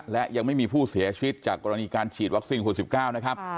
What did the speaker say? และยังไม่มีผู้เสียชีวิตจากกรณีการฉีดวัคซีนคน๑๙นะครับ